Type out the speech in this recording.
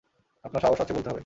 আপনার সাহস আছে বলতে হবে।